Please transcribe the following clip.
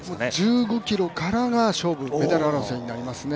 １５ｋｍからが勝負メダル争いになりますね。